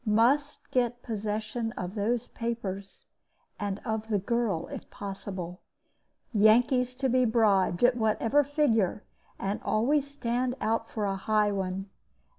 Must get possession of those papers, and of the girl, if possible. Yankees to be bribed, at whatever figure, and always stand out for a high one.